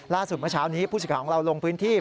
ล่าสุดมาเช้านี้ผู้ศึกษาของเราลงพื้นที่